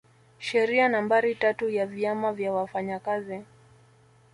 Sheria nambari tatu ya vyama vya wafanyakazi